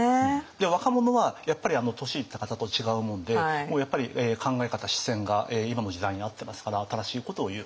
で若者はやっぱり年いった方と違うもんでもうやっぱり考え方視線が今の時代に合ってますから新しいことを言う。